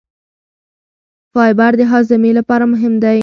فایبر د هاضمې لپاره مهم دی.